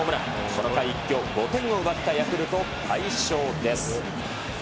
この回一挙５点を奪ったヤクルト快勝です。